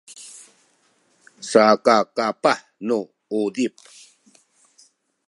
saka kapah nu uzip